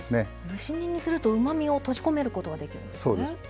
蒸し煮にするとうまみを閉じ込めることができるんですね。